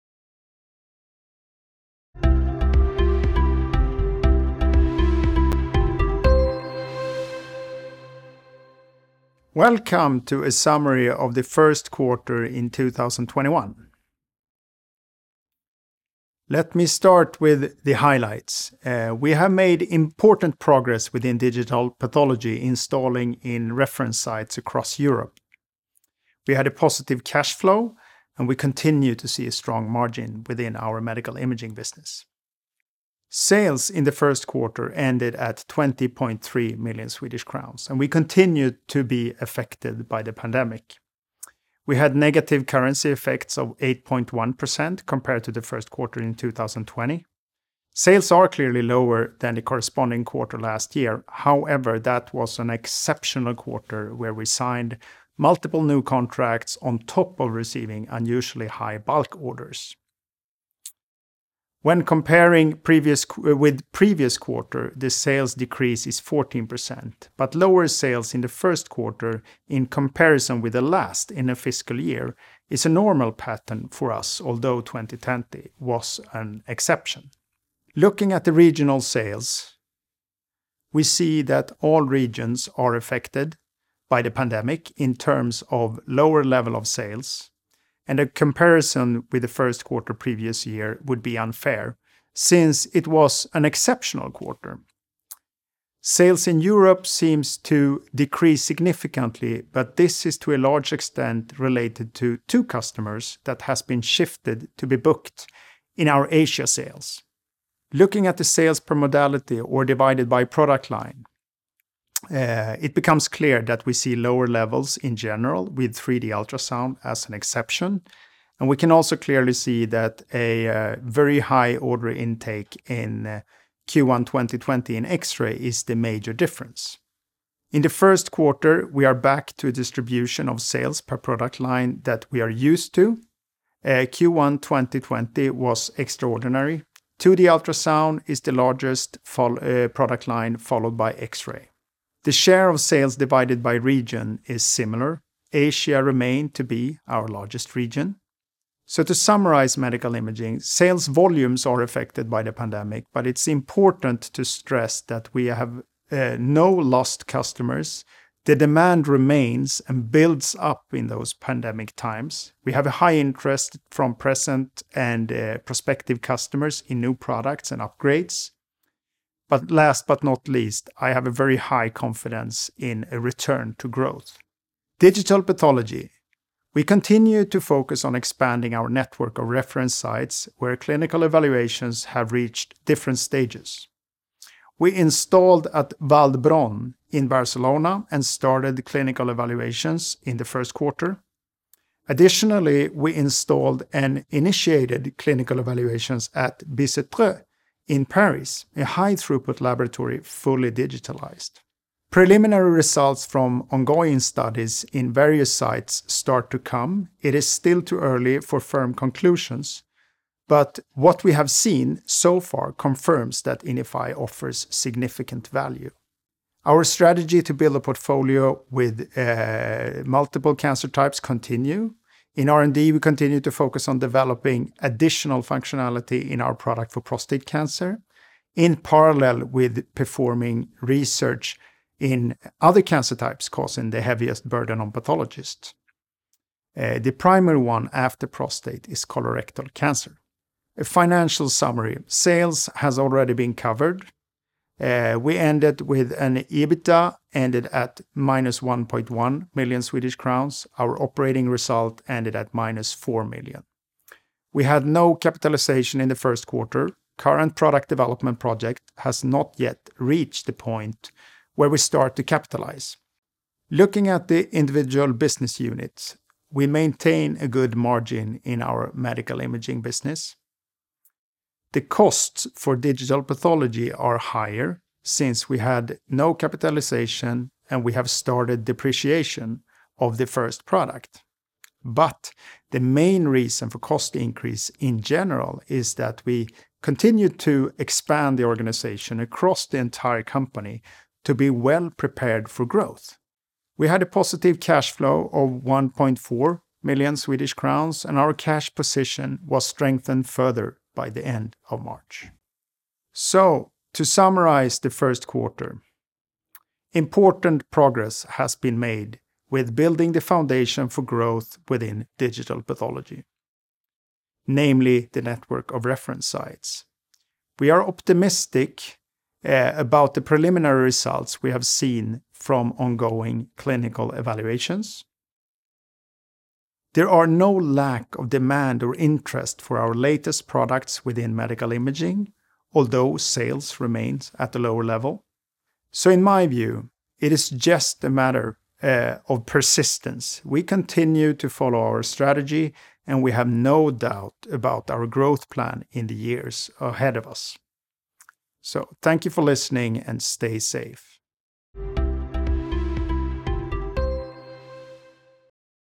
Welcome to a summary of the first quarter in 2021. Let me start with the highlights. We have made important progress within digital pathology, installing in reference sites across Europe. We had a positive cash flow, and we continue to see a strong margin within our medical imaging business. Sales in the first quarter ended at 20.3 million Swedish crowns, and we continued to be affected by the pandemic. We had negative currency effects of 8.1% compared to the first quarter in 2020. Sales are clearly lower than the corresponding quarter last year. However, that was an exceptional quarter where we signed multiple new contracts on top of receiving unusually high bulk orders. When comparing with previous quarter, the sales decrease is 14%, but lower sales in the first quarter in comparison with the last in a fiscal year is a normal pattern for us, although 2020 was an exception. Looking at the regional sales, we see that all regions are affected by the pandemic in terms of lower level of sales. A comparison with the first quarter previous year would be unfair since it was an exceptional quarter. Sales in Europe seems to decrease significantly. This is to a large extent related to two customers that has been shifted to be booked in our Asia sales. Looking at the sales per modality or divided by product line, it becomes clear that we see lower levels in general with 3D ultrasound as an exception. We can also clearly see that a very high order intake in Q1 2020 in X-ray is the major difference. In the first quarter, we are back to a distribution of sales per product line that we are used to. Q1 2020 was extraordinary. 2D ultrasound is the largest product line, followed by X-ray. The share of sales divided by region is similar. Asia remain to be our largest region. To summarize medical imaging, sales volumes are affected by the pandemic, but it's important to stress that we have no lost customers. The demand remains and builds up in those pandemic times. We have a high interest from present and prospective customers in new products and upgrades. Last but not least, I have a very high confidence in a return to growth. Digital pathology. We continue to focus on expanding our network of reference sites where clinical evaluations have reached different stages. We installed at Vall d'Hebron in Barcelona and started clinical evaluations in the first quarter. Additionally, we installed and initiated clinical evaluations at Bicêtre in Paris, a high-throughput laboratory, fully digitized. Preliminary results from ongoing studies in various sites start to come. It is still too early for firm conclusions, but what we have seen so far confirms that INIFY offers significant value. Our strategy to build a portfolio with multiple cancer types continue. In R&D, we continue to focus on developing additional functionality in our product for prostate cancer, in parallel with performing research in other cancer types causing the heaviest burden on pathologists. The primary one after prostate is colorectal cancer. A financial summary. Sales has already been covered. We ended with an EBITDA ended at -1.1 million Swedish crowns. Our operating result ended at -4 million. We had no capitalization in the first quarter. Current product development project has not yet reached the point where we start to capitalize. Looking at the individual business units, we maintain a good margin in our medical imaging business. The costs for digital pathology are higher since we had no capitalization, and we have started depreciation of the first product. The main reason for cost increase in general is that we continue to expand the organization across the entire company to be well-prepared for growth. We had a positive cash flow of 1.4 million Swedish crowns, and our cash position was strengthened further by the end of March. To summarize the first quarter, important progress has been made with building the foundation for growth within digital pathology, namely the network of reference sites. We are optimistic about the preliminary results we have seen from ongoing clinical evaluations. There are no lack of demand or interest for our latest products within medical imaging, although sales remains at a lower level. In my view, it is just a matter of persistence. We continue to follow our strategy, and we have no doubt about our growth plan in the years ahead of us. Thank you for listening, and stay safe.